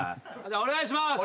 じゃお願いします。